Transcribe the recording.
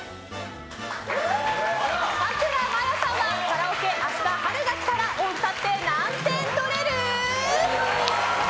さくらまやさんはカラオケ「明日、春が来たら」を歌って何点取れる？